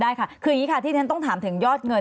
ได้ค่ะคืออย่างนี้ค่ะที่ฉันต้องถามถึงยอดเงิน